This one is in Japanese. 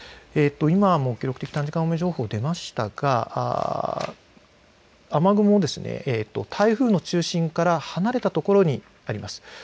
今、記録的短時間大雨情報が出ましたが雨雲、台風の中心から離れたところにあります。